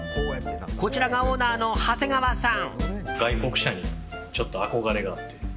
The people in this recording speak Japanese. こちらがオーナーの長谷川さん。